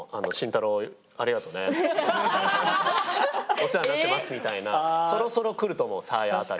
「お世話になってます」みたいなそろそろ来ると思うサーヤ辺り。